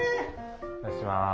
お願いします。